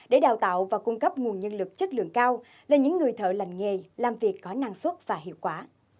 để đào tạo và cung cấp nguồn nhân lực chất lượng cao là những người thợ lành nghề làm việc có năng suất và hiệu quả